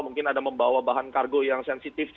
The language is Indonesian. mungkin ada membawa bahan kargo yang sensitif